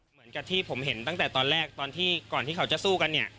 เหมือนกับที่ผมเห็นตั้งแต่ตอนแรกตอนที่ก่อนที่เขาจะสู้กันเนี่ย